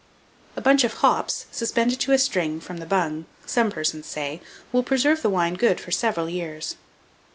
A bunch of hops suspended to a string from the bung, some persons say, will preserve the wine good for several years.